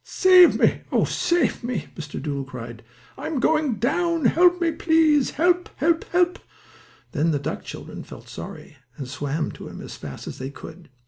"Save me! Oh, save me!" Mr. Doodle cried. "I am going down! Help me, please! Help! Help! Help!" Then the duck children felt sorry, and swam to him as fast as they could.